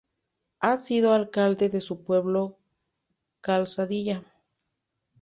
Ha sido alcalde de su pueblo, Calzadilla.